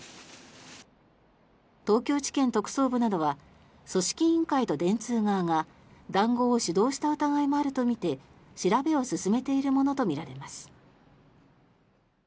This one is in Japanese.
東京地検特捜部などは組織委員会と電通側が談合を主導した疑いもあるとみて調べを進めているものとみられます。